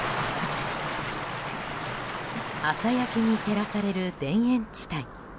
朝焼けに照らされる田園地帯。